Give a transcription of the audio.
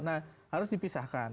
nah harus dipisahkan